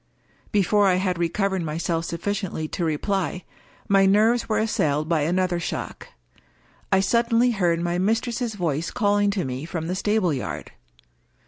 Before I had recovered myself sufficiently to reply, my nerves were assailed by another shock. I suddenly heard my mistress's voice calling to me from the stable yard.